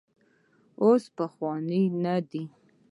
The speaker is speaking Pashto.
اوس پخوانی نه دی.